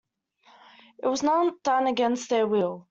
It was not done against their will.